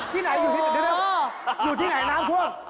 ที่ไหนอยู่ที่ไหนน้ำท่วม